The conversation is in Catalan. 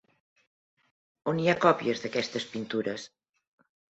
On hi ha còpies d'aquestes pintures?